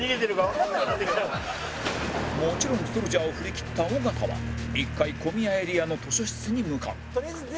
もちろんソルジャーを振りきった尾形は１階小宮エリアの図書室に向かう